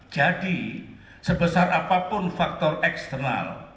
jadi sebesar apapun faktor eksternal